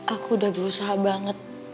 aku udah berusaha banget